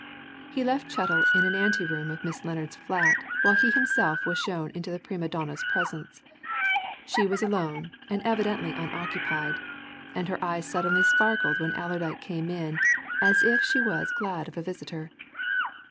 He left Chettle in an anti room of Miss Lennard's flat while he himself was shown into the prima donna's presence. She was alone, and evidently unoccupied, and her eyes suddenly sparkled when Allerdyke came in as if she was glad of a visitor.